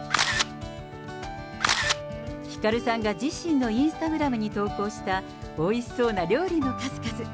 ひかるさんが自身のインスタグラムに投稿したおいしそうな料理の数々。